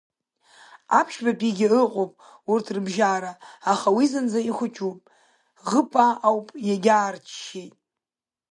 Аԥшьбатәигьы ыҟоуп урҭ рыбжьара, аха уи зынӡа ихәыҷуп, Ӷыппа ауп, иагьаарччеит.